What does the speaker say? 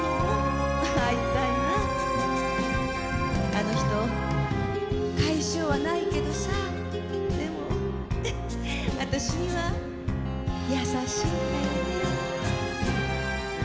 あの人甲斐性はないけどさでもあたしには優しいんだよね。